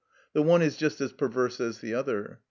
The one is just as perverse as the other.